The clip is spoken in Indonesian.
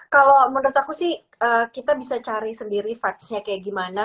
kalau menurut aku sih kita bisa cari sendiri fatch nya kayak gimana